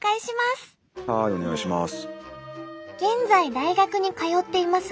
はいお願いします。